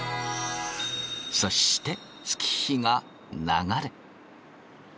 そして月日が流れ。